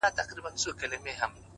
صبر د بریا د پخېدو موسم دی,